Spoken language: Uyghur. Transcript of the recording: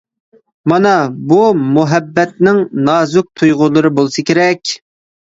مانا بۇ مۇھەببەتنىڭ نازۇك تۇيغۇلىرى بولسا كېرەك.